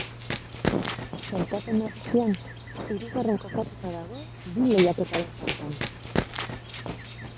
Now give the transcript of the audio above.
Sailkapen nagusian, hirugarren kokatuta dago bi lehiaketaren faltan.